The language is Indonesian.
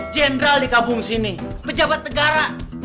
jenderal dikabung sini pejabat negara